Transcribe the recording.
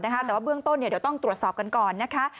แต่ว่าเบื้องต้นเดี๋ยวต้องตรวจสอบกันก่อนนะคะ